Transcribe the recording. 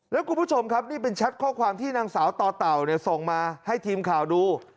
แล้วคุณผู้ชมครับนี่เป็นแชทข้อความที่นางสาวต่อเต่าส่งมาให้ทีมข่าวดู